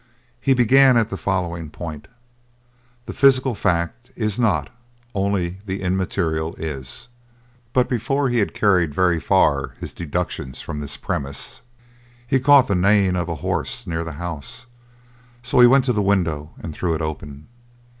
He began at the following point: "The physical fact is not; only the immaterial is." But before he had carried very far his deductions from this premise, he caught the neighing of a horse near the house; so he went to the window and threw it open.